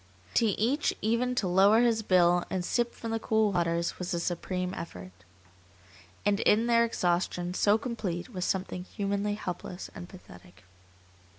To each even to lower his bill and sip from the cool waters was a supreme effort. And in their exhaustion so complete was something humanly helpless and pathetic.